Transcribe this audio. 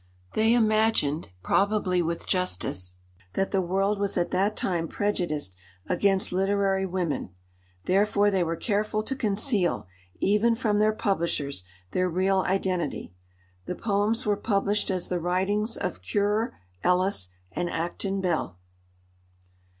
They imagined, probably with justice, that the world was at that time prejudiced against literary women. Therefore they were careful to conceal, even from their publishers, their real identity. The poems were published as the writings of Currer, Ellis, and Acton Bell.